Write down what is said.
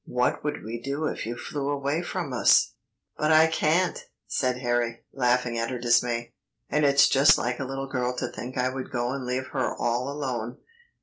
What would we do if you flew away from us?" "But I can't," said Harry, laughing at her dismay; "and it's just like a little girl to think I would go and leave her all alone.